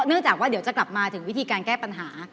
จากว่าเดี๋ยวจะกลับมาถึงวิธีการแก้ปัญหา